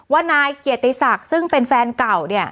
ว่านายเกียรติศักดิ์ซึ่งเป็นแฟนเก่าเนี่ย